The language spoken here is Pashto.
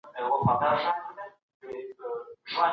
هر ځای ښوونځی کيدای سي.